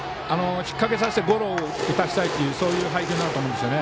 引っ掛けさせてゴロを打たせたいというそういう配球だと思います。